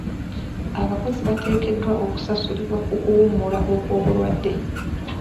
Abakozi bateekeddwa okusasulibwa ku kuwummula okw'obulwadde.